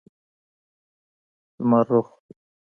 لمررخ